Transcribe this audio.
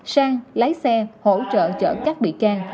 sang lái xe hỗ trợ chở các bị can